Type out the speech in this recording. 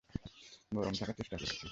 গরম থাকার চেষ্টা করছি!